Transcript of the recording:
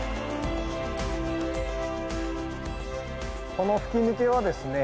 この吹き抜けはですね